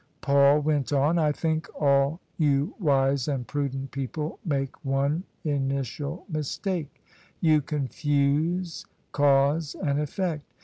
Paul went on, " I think all you wise and prudent people make one initial mistake : you confuse cause and effect.